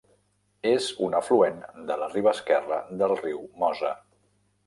És un afluent de la riba esquerra del riu Mosa.